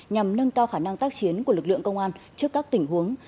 nhằm nâng cao khả năng tác chiến của lực lượng công an trước các tình huống